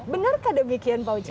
benarkah demikian pak ucu